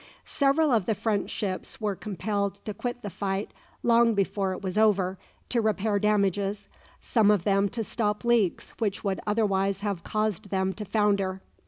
Several of the French ships were compelled to quit the fight, long before it was over, to repair damages, some of them to stop leaks which would otherwise have caused them to founder.